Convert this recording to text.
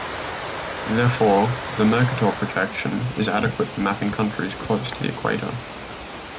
Therefore, the Mercator projection is adequate for mapping countries close to the equator.